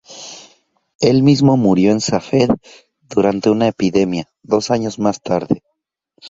Él mismo murió en Safed, durante una epidemia, dos años más tarde.